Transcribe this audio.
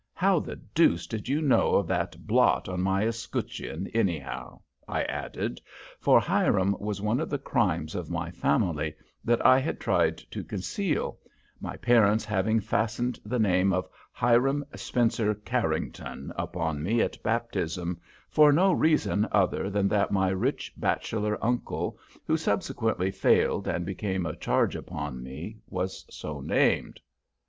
How the deuce did you know of that blot on my escutcheon, anyhow?" I added, for Hiram was one of the crimes of my family that I had tried to conceal, my parents having fastened the name of Hiram Spencer Carrington upon me at baptism for no reason other than that my rich bachelor uncle, who subsequently failed and became a charge upon me, was so named.